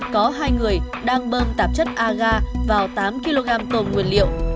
có hai người đang bơm tạp chất aga vào tám kg tôm nguyên liệu